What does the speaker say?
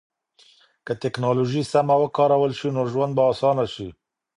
که ټکنالوژي سمه وکارول سي نو ژوند به اسانه سي.